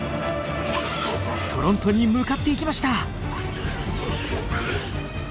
トロントに向かっていきました！